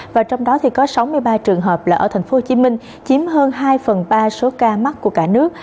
và trong đó thì có sáu mươi ba trường hợp là ở tp hcm chiếm hơn hai phần ba số ca mắc của cả nước